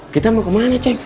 kita mau kemana ceng